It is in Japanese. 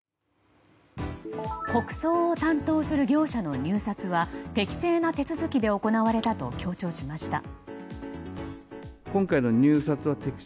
国葬を担当する業者の入札は適正な手続きで行われたと強調しました。